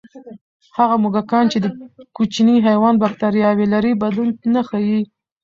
هغه موږکان چې کوچني حیوان بکتریاوې لري، بدلون نه ښيي.